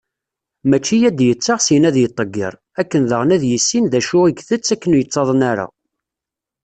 Mačči ad d-yettaɣ, syin ad yettḍeggir, akken daɣen ad yissin d acu i itett akken ur yettaḍen ara.